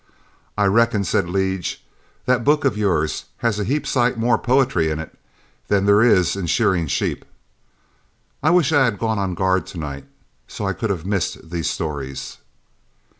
'I reckon,' said Lige, 'that book of yours has a heap sight more poetry in it than there is in shearing sheep.' I wish I had gone on guard to night, so I could have missed these stories."